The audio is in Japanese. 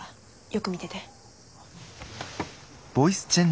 よく見てて。